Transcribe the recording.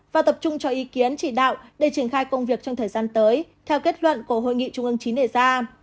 và tập trung cho ý kiến chỉ đạo để triển khai công việc trong thời gian tới theo kết luận của hội nghị trung ương chín đề ra